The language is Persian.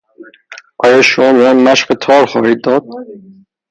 آیا شما بمن مشق تار خواهید داد